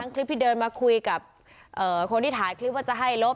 คลิปที่เดินมาคุยกับคนที่ถ่ายคลิปว่าจะให้ลบ